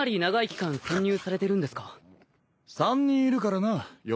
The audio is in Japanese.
３人いるからな嫁。